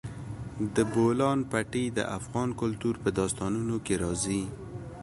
د بولان پټي د افغان کلتور په داستانونو کې راځي.